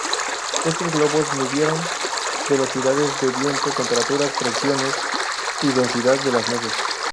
Estos globos midieron velocidades del viento, temperaturas, presiones y densidad de las nubes.